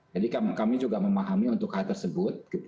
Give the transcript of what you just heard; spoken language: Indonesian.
jadi kami juga memahami untuk hal tersebut